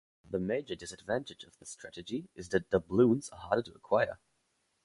The major disadvantage of this strategy is that doubloons are harder to acquire.